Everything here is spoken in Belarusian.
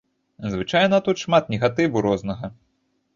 Звычайна тут шмат негатыву рознага.